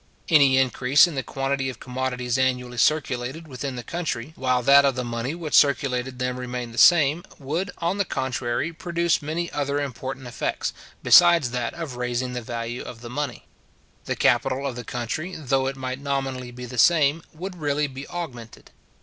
Any increase in the quantity of commodities annually circulated within the country, while that of the money which circulated them remained the same, would, on the contrary, produce many other important effects, besides that of raising the value of the money. The capital of the country, though it might nominally be the same, would really be augmented.